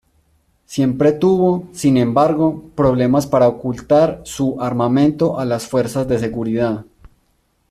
Siempre tuvo, sin embargo, problemas para ocultar su armamento a las fuerzas de seguridad.